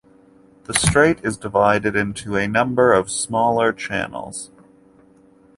The strait is divided into a number of smaller channels.